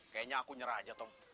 kayaknya aku nyerah aja tom